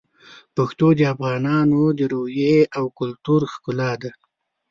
پښتو د افغانانو د روحیې او کلتور ښکلا ده.